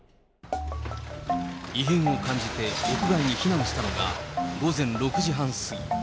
異変を感じて屋外に避難したのが午前６時半過ぎ。